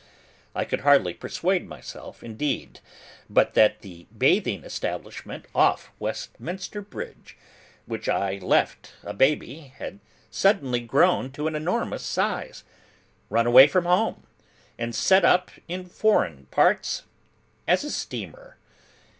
I could hardly persuade myself, indeed, but that the bathing establishment off Westminster Bridge, which I left a baby, had suddenly grown to an enormous size; run away from home; and set up in foreign parts as a steamer.